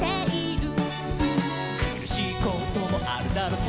「くるしいこともあるだろさ」